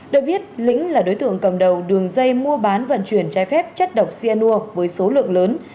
được biết lĩnh là đối tượng cầm đầu đường dây mua bán vận chuyển trái phép chất độc cyanur với số lượng lớn